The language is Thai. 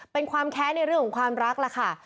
เป็นความแค้ในเรื่องกับเรื่องมีความรักแล้วค่ะ